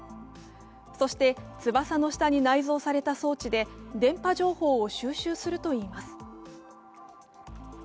そして翼の下に内蔵された装置で電波情報を収集するといいます。